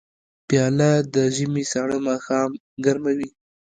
پیاله د ژمي سړه ماښام ګرموي.